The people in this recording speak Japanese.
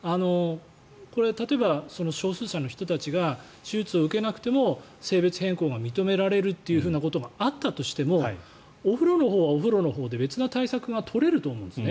これは例えば少数者の人たちが手術を受けなくても性別変更が認められるということがあったとしてもお風呂のほうはお風呂のほうで別な対策が取れると思うんです。